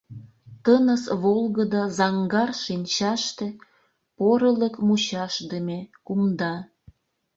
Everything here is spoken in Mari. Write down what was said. Тыныс волгыдо заҥгар шинчаште — Порылык мучашдыме, кумда.